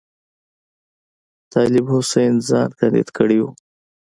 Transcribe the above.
طالب حسین ځان کاندید کړی وو.